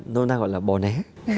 nó đang gọi là bò né